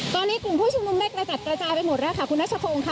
ตอนนี้กลุ่มผู้ชุมนุมได้กระจัดกระจายไปหมดแล้วค่ะคุณนัชพงศ์ค่ะ